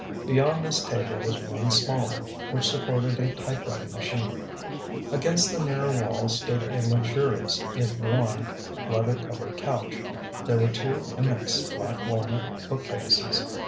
Beyond this table was one smaller, which supported a type writing machine. Against the nearer wall stood a luxurious, if worn, leather covered couch. There were two immense black walnut bookcases.